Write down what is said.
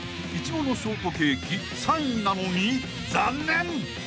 ［苺のショートケーキ３位なのに残念！］